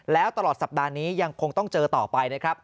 แล้วตลอดสัปดาห์นี้ยังคงต้องเจอต่อไปนะครับ